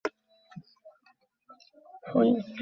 কারণ এই গোস্তে বিষ মিশ্রিত রয়েছে।